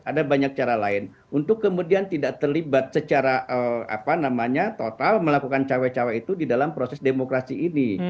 ada banyak cara lain untuk kemudian tidak terlibat secara total melakukan cawe cawe itu di dalam proses demokrasi ini